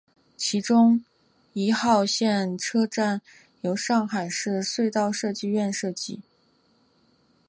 其中一号线车站由上海市隧道设计院设计。